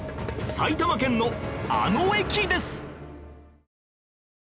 埼玉県のあの駅です